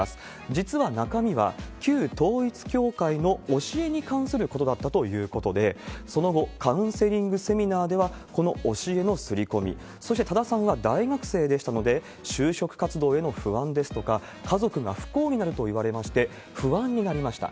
実は、中身は旧統一教会の教えに関することだったということで、その後、カウンセリングセミナーでは、この教えの刷り込み、そして、多田さんは大学生でしたので、就職活動への不安ですとか、家族が不幸になると言われまして、不安になりました。